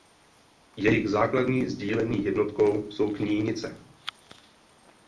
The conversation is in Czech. Jejich základní sídelní jednotkou jsou Knínice.